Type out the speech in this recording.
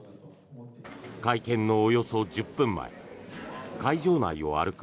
会見のおよそ１０分前会場内を歩く